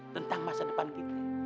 tentang masa depan kita